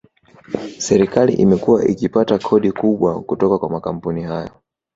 Serikali imekuwa ikipata kodi kubwa kutoka kwa makampuni hayo